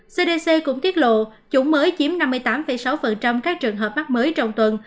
cdc cũng tiết lộ chủng mới chiếm năm mươi tám sáu các trường hợp mắc mới trong tuần